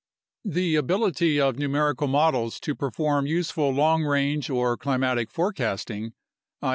The ability of numerical models to perform useful long range or climatic forecasting (i.e.